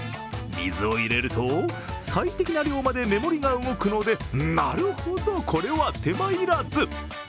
水を入れると、最適な量までメモリが動くのでなるほど、これは手間要らず。